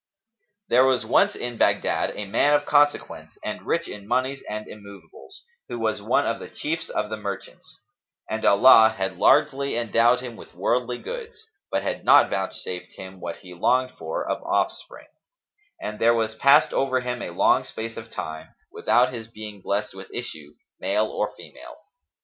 [FN#281] There was once in Baghdad a man of consequence and rich in monies and immoveables, who was one of the chiefs of the merchants; and Allah had largely endowed him with worldly goods, but had not vouchsafed him what he longed for of offspring; and there passed over him a long space of time, without his being blessed with issue, male or female.